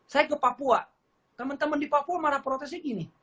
saya ke papua teman teman di papua marah protesnya gini